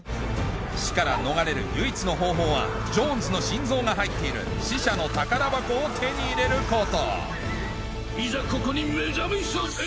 死から逃れる唯一の方法はジョーンズの心臓が入っている死者の宝箱を手に入れることいざここに目覚めさせん。